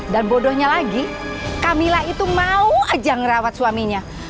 dan bodohnya lagi kamila itu mau aja merawat suaminya